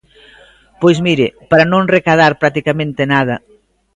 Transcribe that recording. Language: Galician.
Pois mire, para non recadar practicamente nada.